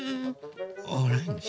オレンジ。